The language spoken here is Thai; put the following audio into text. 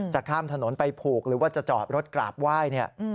จะข้ามถนนไปผูกหรือว่าจะจอดรถกราบไหว้เนี่ย